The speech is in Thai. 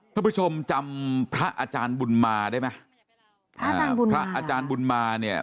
ท่านผู้ชมจำพระอาจารย์บุญมาได้ไหมอ่าบุญพระอาจารย์บุญมาเนี่ย